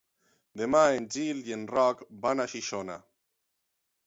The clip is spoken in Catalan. Demà en Gil i en Roc van a Xixona.